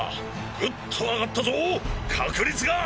グッと上がったぞ確率が！